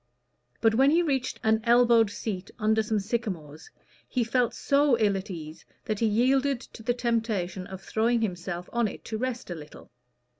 But when he reached an elbowed seat under some sycamores, he felt so ill at ease that he yielded to the temptation of throwing himself on it to rest a little.